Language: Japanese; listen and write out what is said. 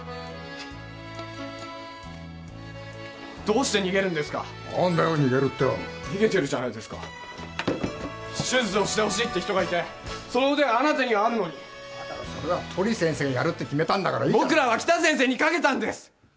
どうして逃げるんですか何だよ逃げるってよ逃げてるじゃないですか手術してほしいって人がいてそのウデがあるのに鳥先生がやるって決めたんだから僕らは北先生にかけたんです！